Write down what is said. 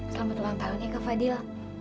selamat ulang tahun ya kak fadil